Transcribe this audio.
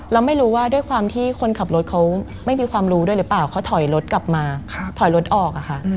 เราไม่รู้ว่าด้วยความที่คนขับรถเขาไม่มีความรู้ด้วยหรือเปล่าเขาถอยรถกลับมาถอยรถออกอะค่ะ